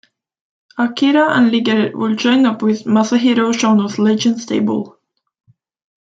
Akira and Liger would join up with Masahiro Chono's Legend stable.